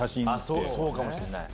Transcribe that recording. そうかもしんない。